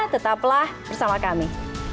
tetaplah bersama kami